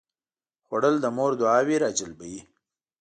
خوړل د مور دعاوې راجلبوي